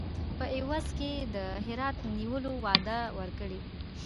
په عوض کې د هرات نیولو وعده ورکړي.